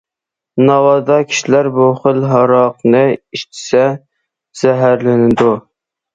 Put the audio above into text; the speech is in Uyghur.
ناۋادا كىشىلەر بۇ خىل ھاراقنى ئىچسە زەھەرلىنىدۇ.